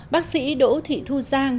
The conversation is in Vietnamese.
bác sĩ đỗ thị thu giang